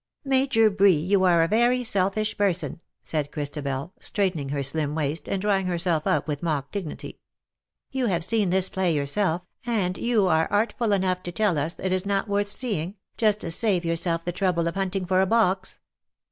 " Major Bree, you are a very selfish person," said Christabel, straightening her slim waist, and draw ing herself up with mock dignity. " You have seen this play yourself, and you are artful enough to tell us it is not worth seeing, just to save yourself the trouble of hunting for a box.